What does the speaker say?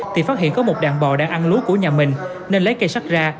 thì phát hiện có một đàn bò đang ăn lúa của nhà mình nên lấy cây sắt ra